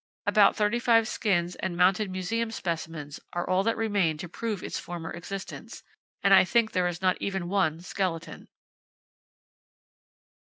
About thirty five skins and mounted museum specimens are all that remain to prove its former existence, and I think there is not even one skeleton.